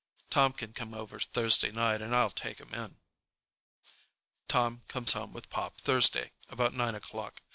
Tom can come over Thursday night and I'll take him in." Tom comes home with Pop Thursday about nine o'clock.